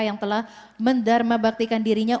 yang telah mendarmabaktikan dirinya